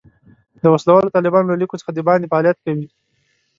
د وسله والو طالبانو له لیکو څخه د باندې فعالیت کوي.